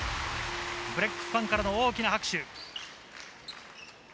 ブレックスファンからの大きな拍手。